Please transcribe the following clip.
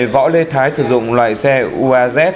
võ lê thái sử dụng loại xe uaz